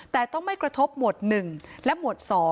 แต่ต้องไม่กระทบหมวด๑และหมวด๒